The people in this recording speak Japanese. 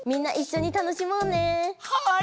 はい！